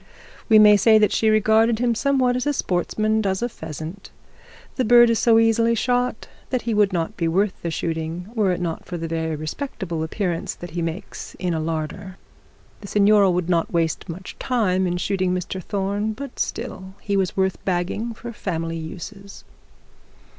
We may say that she regarded him somewhat as a sportsman does a pheasant. The bird is so easily shot, that he would not be worth the shooting were it not for the very respectable appearance that he makes in a larder. The signora would not waste much time in shooting Mr Thorne, but still he was worth bagging for family uses.